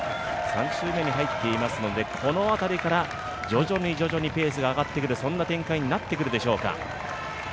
３周目に入っていますので、この辺りから徐々に徐々にペースが上がってくるそんな展開になってくるでしょうか。